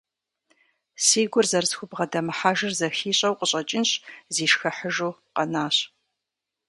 Си гур зэрысхубгъэдэмыхьэжыр зэхищӏэу къыщӏэкӏынщ, зишхыхьыжу къэнащ.